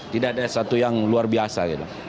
tidak ada satu yang luar biasa